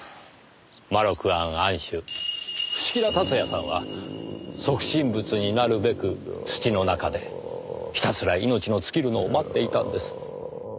まろく庵庵主伏木田辰也さんは即身仏になるべく土の中でひたすら命の尽きるのを待っていたんです。